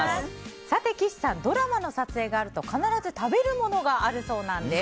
さて、岸さんドラマの撮影があると必ず食べるものがあるそうです。